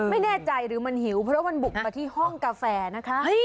ไม่แน่ใจหรือมันหิวเพราะมันบุกมาที่ห้องกาแฟนะคะ